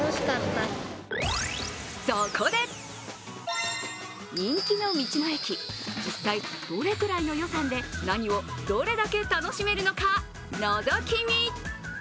そこで、人気の道の駅、実際どれくらいの予算で何をどれだけ楽しめるのかのぞき見！